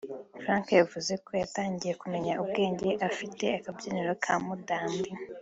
Frank yavuze ko yatangiye kumenya ubwenge afite akabyiniriro ka Mudandi